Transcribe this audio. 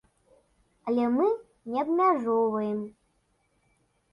Але мы не абмяжоўваем.